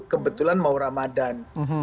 kebetulan mau ramadan